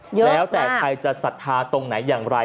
แล้วแต่ใครจะศรัทธาตรงไหนอย่างไร